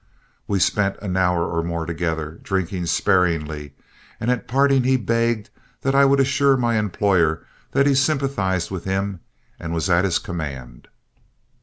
We spent an hour or more together, drinking sparingly, and at parting he begged that I would assure my employer that he sympathized with him and was at his command.